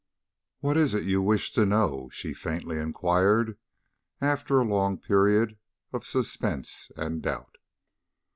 "What is it you wish to know?" she faintly inquired, after a long period of suspense and doubt.